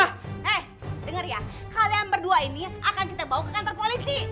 eh dengar ya kalian berdua ini akan kita bawa ke kantor polisi